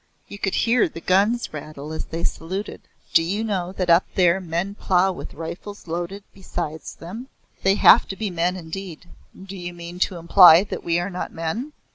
You could hear the guns rattle as they saluted. Do you know that up there men plough with rifles loaded beside them? They have to be men indeed." "Do you mean to imply that we are not men?"